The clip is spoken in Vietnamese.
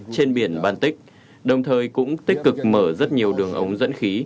trên biển baltic đồng thời cũng tích cực mở rất nhiều đường ống dẫn khí